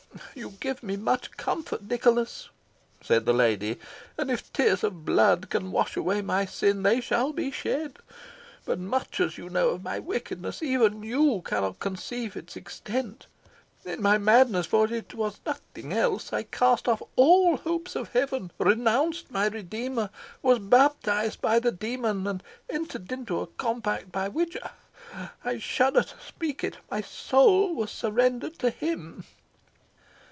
"You give me much comfort, Nicholas," said the lady, "and if tears of blood can wash away my sin they shall be shed; but much as you know of my wickedness, even you cannot conceive its extent. In my madness, for it was nothing else, I cast off all hopes of heaven, renounced my Redeemer, was baptised by the demon, and entered into a compact by which I shudder to speak it my soul was surrendered to him."